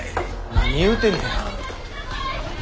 何言うてんねん。